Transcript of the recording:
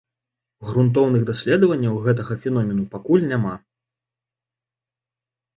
Грунтоўных даследаванняў гэтага феномену пакуль няма.